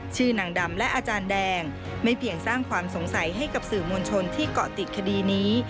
ชื่อนางดำและอาจารย์แดงไม่เพียงสร้างความสงสัยให้กับสื่อมวลชนที่เกาะติดคดีนี้